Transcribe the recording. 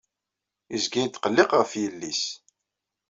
Yezga yetqelliq ɣef yelli-s.